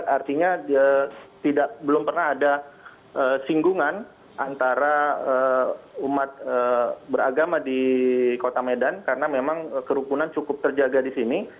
artinya tidak pernah ada singgungan antara umat beragama di kota medan karena kerupunan memang cukup terjaga disini